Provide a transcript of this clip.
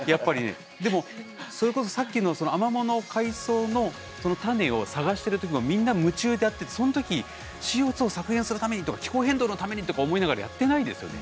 でもそれこそさっきのアマモの海草の種を探してるときもみんな夢中でやってそのときＣＯを削減するためにとか気候変動のためにとか思いながらやってないですよね。